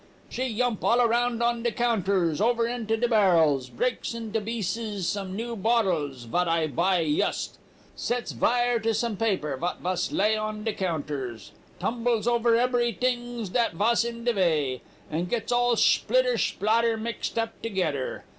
She yump all around on de counters, over into de barrels, breaks into bieces some new bottles vat I buy yust, sets vire to some paper vat vas lay on de counters, tumbles over ebery dings vat vas in de vay, and gets all shplitter shplatter mixed up togedder.